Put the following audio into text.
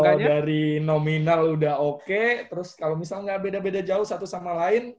kalau dari nominal udah oke terus kalau misalnya nggak beda beda jauh satu sama lain